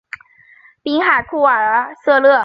滨海库尔瑟勒。